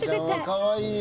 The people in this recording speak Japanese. かわいい！